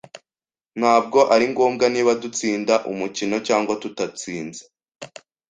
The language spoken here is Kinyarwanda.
Ntabwo ari ngombwa niba dutsinda umukino cyangwa tutatsinze.